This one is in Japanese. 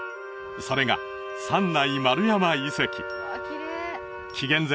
それが三内丸山遺跡紀元前